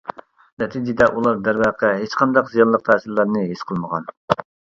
نەتىجىدە، ئۇلار دەرۋەقە ھېچقانداق زىيانلىق تەسىرلەرنى ھېس قىلمىغان.